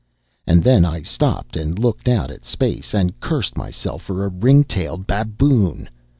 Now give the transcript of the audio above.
And then I stopped and looked out at space and cursed myself for a ring tailed baboon.